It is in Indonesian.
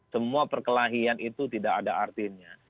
semua perkelahian itu tidak ada artinya